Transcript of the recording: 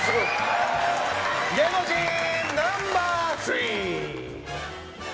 芸能人ナンバー３。